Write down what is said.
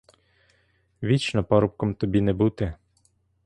Вічно парубком тобі не бути.